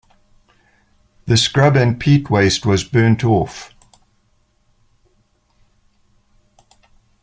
The scrub and peat waste was burnt off.